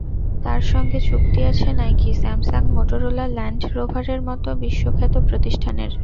তাঁর সঙ্গে চুক্তি আছে নাইকি, স্যামসাং, মটোরোলা, ল্যান্ড রোভারের মতো বিশ্বখ্যাত প্রতিষ্ঠানের।